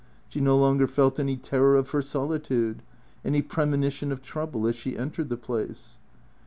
She no longer felt any terror of her solitude, any premonition of trouble as she entered the place.